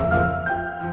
cintanya ada di chatnya